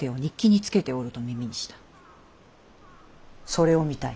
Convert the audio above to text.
それを見たい。